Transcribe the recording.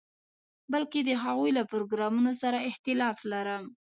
بلکې د هغوی له پروګرامونو سره اختلاف لرم.